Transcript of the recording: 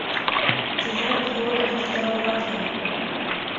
— Тиҙерәк һыуын ҡоҫторорға кәрәк!